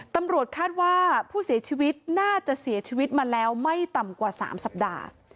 ตำรวจคาดว่าผู้เสียชีวิตน่าจะเสียชีวิตมาแล้วไม่ต่ำกว่า๓สัปดาห์